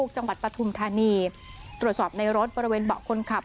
ปฐุมธานีตรวจสอบในรถบริเวณเบาะคนขับ